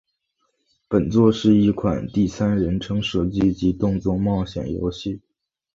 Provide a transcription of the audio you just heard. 本作是一款第三人称射击及动作冒险游戏。